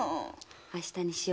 明日にしよ。